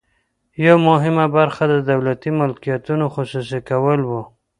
یوه مهمه برخه د دولتي ملکیتونو خصوصي کول وو.